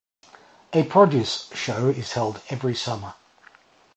A produce show is held every summer.